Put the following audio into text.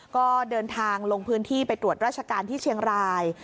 ก็เดินทางลงพื้นที่ไปตรวจราชการที่เชียงราย